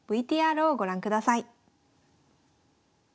ＶＴＲをご覧ください。